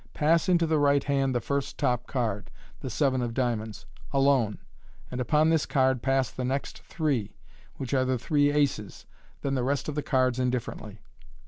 Pass into the right hand first the top card (the seven of diamonds) alone, and upon this card pass the next three, which are the three aces, then the rest of the cards indifferently.